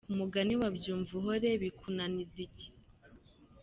ku mugani wa Byumvuhore bikunaniza iki?